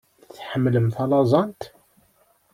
Tḥemmlem talazant?